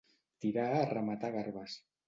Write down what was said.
Tirar a rematar garbes.